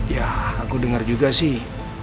ya aku dengar juga sih